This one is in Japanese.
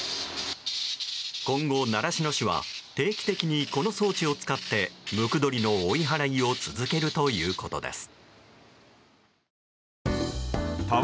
今後、習志野市は定期的にこの装置を使ってムクドリの追い払いを続けるということです。